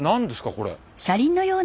これ。